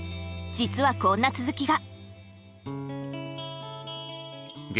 実はこんな続きが。